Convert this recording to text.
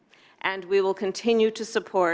dan untuk mengembangkan jalan kemerdekaan di myanmar